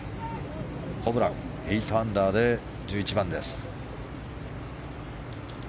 ホブラン８アンダーで１１番です。